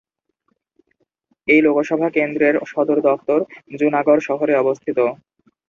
এই লোকসভা কেন্দ্রের সদর দফতর জুনাগড় শহরে অবস্থিত।